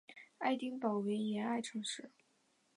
爱丁堡为沿岸城市。